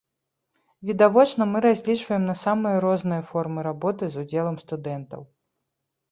Відавочна, мы разлічваем на самыя розныя формы работы з удзелам студэнтаў.